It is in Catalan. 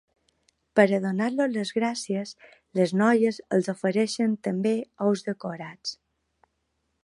Per a donar-los les gràcies, les noies els ofereixen també ous decorats.